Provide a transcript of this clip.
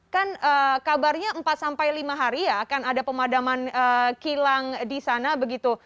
kan kabarnya empat sampai lima hari ya akan ada pemadaman kilang di sana begitu